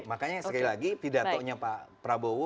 makanya sekali lagi pidatonya pak prabowo